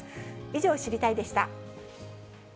以上、知りたいッ！でした。